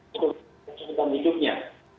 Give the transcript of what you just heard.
untuk menceritakan hidupnya